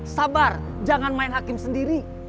sabar jangan main hakim sendiri